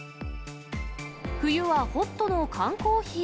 冬はホットの缶コーヒー。